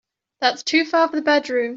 That's too far from the bedroom.